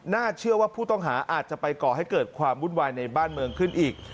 เชื่อว่าผู้ต้องหาอาจจะไปก่อให้เกิดความวุ่นวายในบ้านเมืองขึ้นอีก